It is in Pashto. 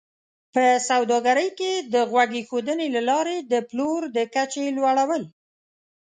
په سوداګرۍ کې د غوږ ایښودنې له لارې د پلور د کچې لوړول